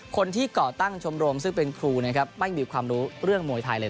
ก่อตั้งชมรมซึ่งเป็นครูนะครับไม่มีความรู้เรื่องมวยไทยเลย